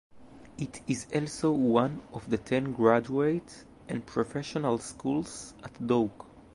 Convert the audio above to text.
It is also one of ten graduate and professional schools at Duke.